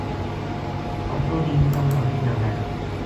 پتو نیہہ تمنا کے گل ہے